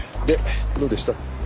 でどうでした？